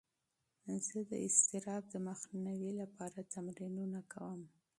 زه د اضطراب د مخنیوي لپاره تمرینونه کوم.